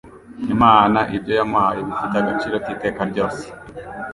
Imana ibyo yamuhaye bifite agaciro k’iteka ryose.